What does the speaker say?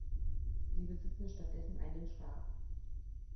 Sie besitzen stattdessen einen Stab.